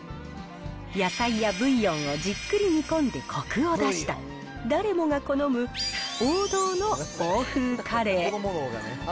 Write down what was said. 野菜やブイヨンをじっくり煮込んでこくを出した、誰もが好む王道の欧風カレー。